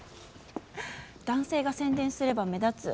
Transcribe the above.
男性が宣伝すれば目立つ。